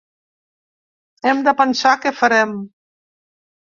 Hem de pensar què farem.